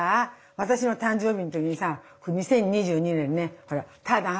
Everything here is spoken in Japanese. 私の誕生日の時にさ２０２２年ねほらたーたん。